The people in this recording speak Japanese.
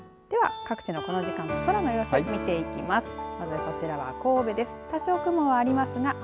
では各地のこの時間空の様子、見ていきます。